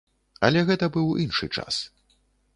Але гэта быў іншы час.